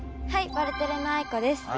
ワルテレのあいこです。